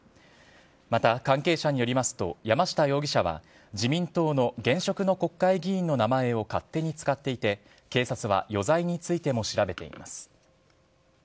また関係者によりますと、山下容疑者は、自民党の現職の国会議員の名前を勝手に使っていて、警察は余罪についても調べています。